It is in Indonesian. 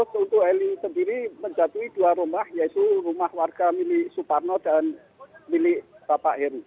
jadi sendiri menjatuhi dua rumah yaitu rumah warga milik suparno dan milik bapak heri